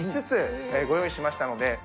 ５つご用意しましたので。